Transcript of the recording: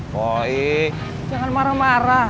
boy jangan marah marah